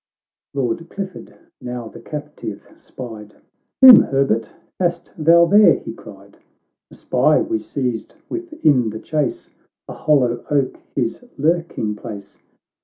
"— XXV Lord Clifford now the captive spied ;—" Whom, Herbert, hast thou there ?" he cried. " A spy we seized within the Chase, A hollow oak his lurking place.'"'